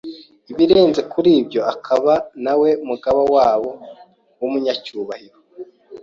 ibirenze kuri byo akaba ari na we mugaba wabo w’umunyacyubahiro